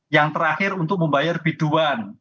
yang terakhir untuk membayar biduan